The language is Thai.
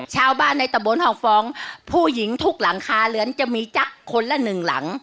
ชาวบ้านในตะบนเห่าฟ้องผู้หญิงทุกหลังคาเรือนจะมีจ๊ะคนละหนึ่งหลัง